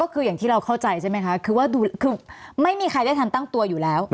ก็คือยังที่เราเข้าใจใช่ไหมคะคือไม่มีใครได้ทำตั้งตัวอยู่แล้ว